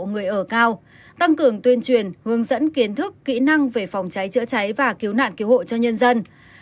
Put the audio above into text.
người ở cao tăng cường tuyên truyền hướng dẫn kiến thức kỹ năng về phòng cháy chữa cháy và cứu nạn cứu hộ cho nhân dân